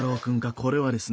これはですね